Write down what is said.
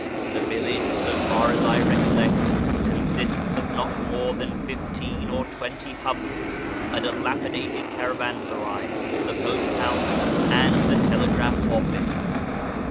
The village, so far as I recollect, consists of not more than fifteen or twenty hovels, a dilapidated cara vansaray, the post house, and the telegraph office.